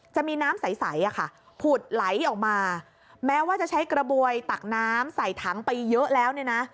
จะมีน้ำใสอ่ะค่ะผุดไหลออกมาแม้ว่าจะใช้กระบวยตักน้ำใส่ถังไปเยอะแล้วเนี่ยนะ